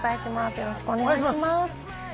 よろしくお願いします。